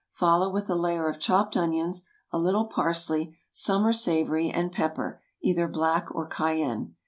Follow with a layer of chopped onions, a little parsley, summer savory, and pepper, either black or cayenne.